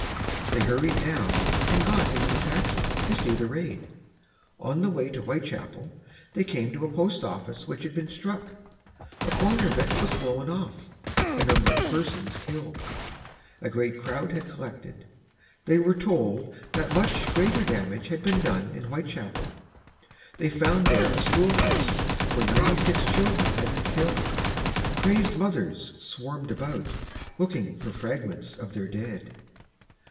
They hurried down and got into a taxi, to see the raid. On the way to Whitechapel, they came to a post office which had been struck. A corner of it was blown off—a number of persons killed. A great crowd had collected. They were told that much greater damage had been done in Whitechapel. They found there a schoolhouse, where ninety six children had been killed. Crazed mothers swarmed about, looking for fragments of their dead.